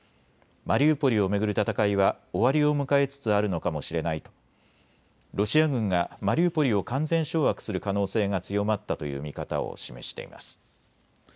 マリウポリを巡る戦いは終わりを迎えつつあるのかもしれないとロシア軍がマリウポリを完全掌握する可能性が強まったという見方を示しています。